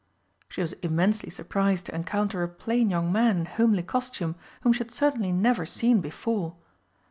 She was immensely surprised to encounter a plain young man in homely costume whom she had certainly never seen before.